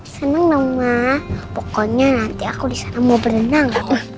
seneng dong ma pokoknya nanti aku disana mau berenang